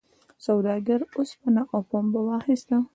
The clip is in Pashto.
سوداګر اوسپنه او پنبه واخیسته.